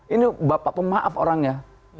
ini bapak pemaaf orangnya